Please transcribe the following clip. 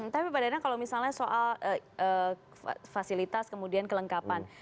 tapi pak danang kalau misalnya soal fasilitas kemudian kelengkapan